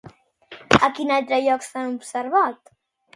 A quin altre lloc s'han observat?